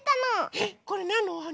えっこれなんのおはな？